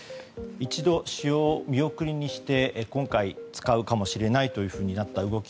一度使用を見送りにして今回、使うかもしれないとなった動き